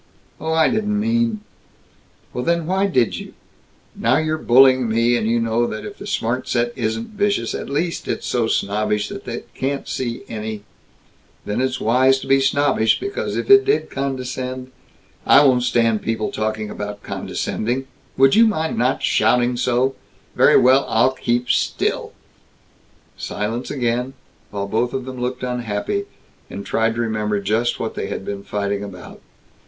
Oh, I didn't mean " "Then why did you " "Now you're bullying me, and you know that if the smart set isn't vicious, at least it's so snobbish that it can't see any " "Then it's wise to be snobbish, because if it did condescend " "I won't stand people talking about condescending " "Would you mind not shouting so?" "Very well! I'll keep still!" Silence again, while both of them looked unhappy, and tried to remember just what they had been fighting about.